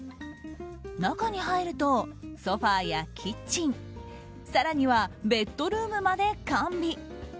中に入るとソファやキッチン更にはベッドルームまで完備。